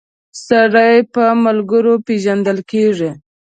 سړی په ملګرو پيژندل کیږی